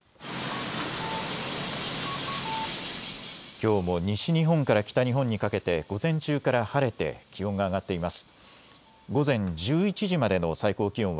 きょうも西日本から北日本にかけて午前中から晴れて気温が上がっています。